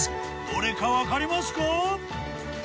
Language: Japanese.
どれかわかりますか？